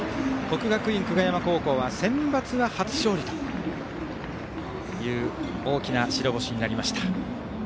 国学院久我山高校はセンバツは初勝利という大きな白星になりました。